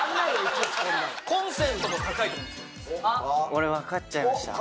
俺分かっちゃいました。